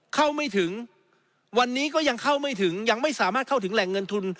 เข้าไม่ถึงวันนี้ก็ยังเข้าไม่ถึงยังไม่สามารถเข้าถึงแหล่งเงินทุน